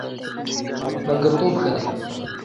ملګرتوب ښه دی.